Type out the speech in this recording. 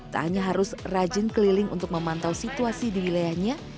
tak hanya harus rajin keliling untuk memantau situasi di wilayahnya